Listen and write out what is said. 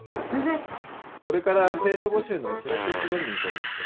これから生徒募集のチラシを配りに行こうと思って。